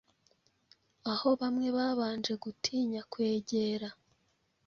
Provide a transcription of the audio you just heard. aho bamwe babanje gutinya kwegera